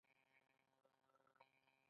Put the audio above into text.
په دې سره مزد د کارګر کار پټوي